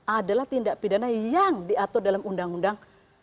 adalah tindak pidana yang diatur dalam undang undang